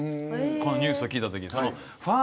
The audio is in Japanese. このニュースを聞いたときに。